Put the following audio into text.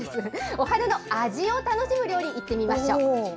お花の味を楽しむ料理いってみましょう。